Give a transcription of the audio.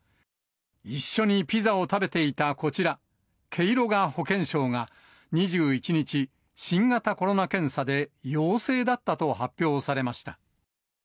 一緒にピザを食べていたこちら、ケイロガ保健相が、２１日、新型コロナ検査で陽性だったと発表されました。